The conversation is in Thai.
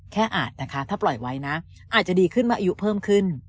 อาจนะคะถ้าปล่อยไว้นะอาจจะดีขึ้นมาอายุเพิ่มขึ้น